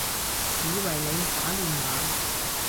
以為你打亂碼